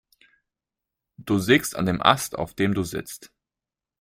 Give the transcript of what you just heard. Du sägst an dem Ast, auf dem du sitzt.